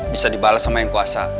bisa dibalas sama yang kuasa